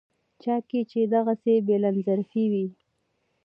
چا کې چې دغسې بلندظرفي وي.